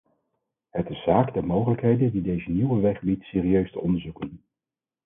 Het is zaak de mogelijkheden die deze nieuwe weg biedt serieus te onderzoeken.